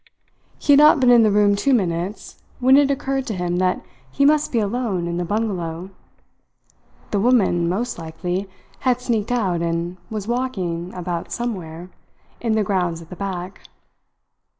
He had not been in the room two minutes when it occurred to him that he must be alone in the bungalow. The woman, most likely, had sneaked out and was walking about somewhere in the grounds at the back.